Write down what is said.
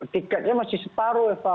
tiketnya masih separuh eva